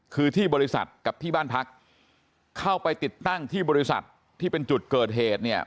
คือที่บริษัทกับที่บ้านพักเข้าไปติดตั้งที่บริษัทที่เป็นจุดเกิดเหตุเนี่ย